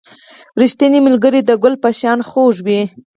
• ریښتینی ملګری د ګل په شان خوږ وي.